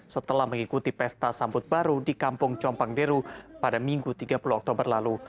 setelah mengikuti pesta sambut baru di kampung compang deru pada minggu tiga puluh oktober lalu